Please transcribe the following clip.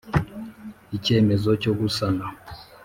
icyemezo cyo gusana